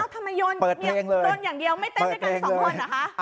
ทำไมโดนอย่างเดียวไม่เต้นด้วยกัน๒คนอ่ะฮะ